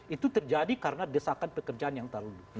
itu terjadi karena desakan pekerjaan yang terlalu